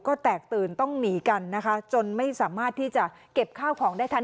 ก็แตกตื่นต้องหนีกันนะคะจนไม่สามารถที่จะเก็บข้าวของได้ทัน